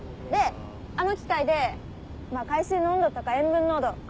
であの機械で海水の温度とか塩分濃度